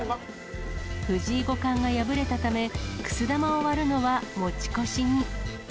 藤井五冠が敗れたため、くす玉を割るのは持ち越しに。